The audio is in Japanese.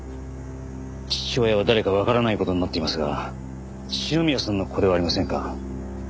父親は誰かわからない事になっていますが篠宮さんの子ではありませんか？